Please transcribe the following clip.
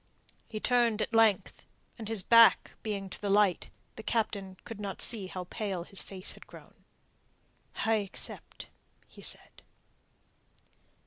He turned at length, and his back being to the light, the Captain could not see how pale his face had grown. "I accept," he said.